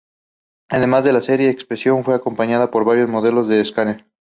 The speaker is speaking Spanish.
Además, la serie "Expression" fue acompañada por varios modelos de escáner.